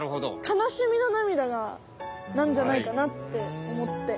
悲しみの涙なんじゃないかなっておもって。